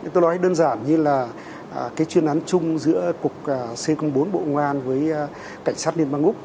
tôi nói đơn giản như là cái chuyên án chung giữa cục c bốn bộ ngoan với cảnh sát liên bang úc